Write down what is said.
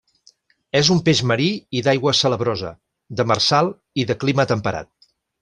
És un peix marí i d'aigua salabrosa, demersal i de clima temperat.